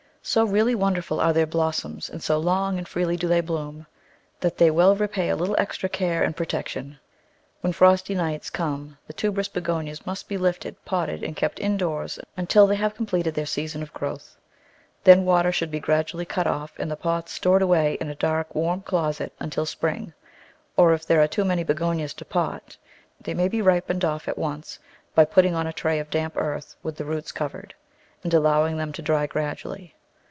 So really wonderful are their blossoms, and so long and freely do they bloom, that they well repay a little extra care and protection. When frosty nights come the tuberous Begonias must be lifted, potted and kept indoors until they have completed their season of growth. Then water should be gradu ally cut off and the pots stored away in a dark, warm closet until spring, or if there are too many Begonias to pot they may be ripened off at once by putting on a Digitized by Google 68 The Flower Garden [Chapter tray of damp earth with the roots covered, and allow ing them to dry gradually.